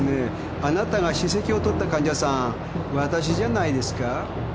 あなたが歯石を取った患者さんわたしじゃないですか？